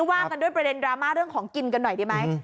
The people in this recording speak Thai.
ว่ากันด้วยประเด็นดราม่าเรื่องของกินกันหน่อยดีไหม